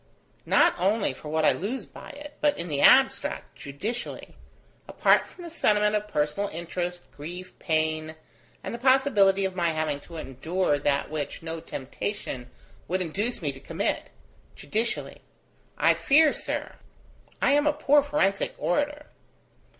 Not only for what I lose by it, but in the abstract, judicially apart from the sentiment of personal interest, grief, pain, and the possibility of my having to endure that which no temptation would induce me to commit: judicially; I fear, sir, I am a poor forensic orator